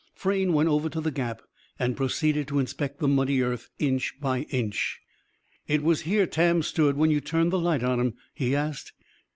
Frayne went over to the gap and proceeded to inspect the muddy earth, inch by inch. "It was here Tam stood when you turned the light on him?" he asked.